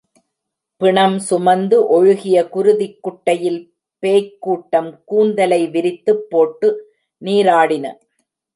பிணம் சுமந்து ஒழுகிய குருதிக் குட்டையில் பேய்க் கூட்டம் கூந்தலை விரித்துப் போட்டு நீராடின.